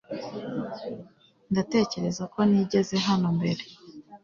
Ndatekereza ko nigeze hano mbere .